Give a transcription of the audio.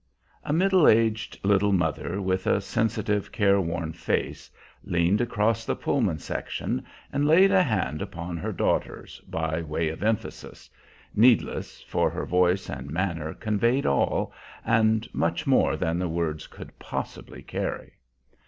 A middle aged little mother, with a sensitive, care worn face, leaned across the Pullman section and laid a hand upon her daughter's by way of emphasis needless, for her voice and manner conveyed all, and much more than the words could possibly carry.